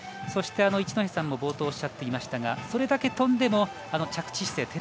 そして、一戸さんも冒頭におっしゃっていましたがそれだけ飛んでも着地姿勢